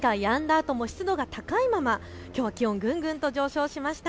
あとも湿度が高いまま、きょうは気温がぐんぐんと上昇しました。